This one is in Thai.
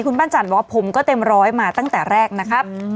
คุณปั้นจันทร์ว่าผมก็เต็มร้อยมาตั้งแต่แรกนะครับ